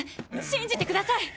信じてください！